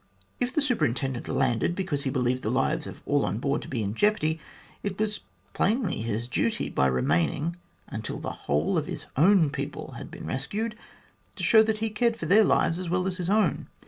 If the Superintendent landed because he believed the lives of all on board to be in jeopardy, it was plainly his duty, by remaining until the whole of his own people had been rescued, to show that he cared for their lives as well as for his own.